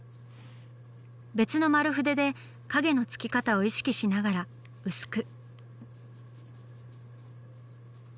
別の丸筆で影の付き方を意識しながら薄く。